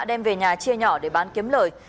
đem về nhà chia nhỏ để bán kiếm lời